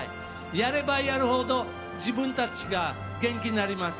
やればやるほど自分たちが元気になります。